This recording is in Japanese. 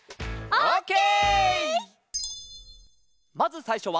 オッケー！